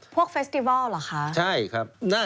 พวกเฟสติวัลเหรอคะ